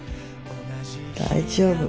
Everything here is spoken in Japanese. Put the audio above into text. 大丈夫。